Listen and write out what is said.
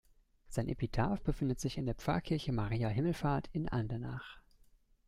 Sein Epitaph befindet sich in der Pfarrkirche Maria Himmelfahrt in Andernach.